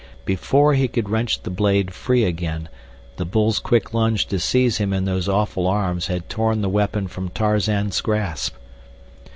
Before he could wrench the blade free again, the bull's quick lunge to seize him in those awful arms had torn the weapon from Tarzan's grasp.